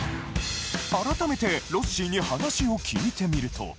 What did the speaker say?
改めてロッシーに話を聞いてみると。